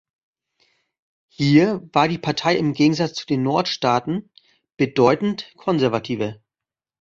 Hier war die Partei im Gegensatz zu den Nordstaaten bedeutend konservativer.